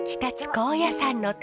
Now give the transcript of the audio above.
高野山の旅。